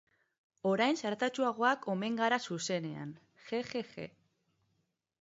Orain zaratatsuagoak omen gara zuzenean, jejeje.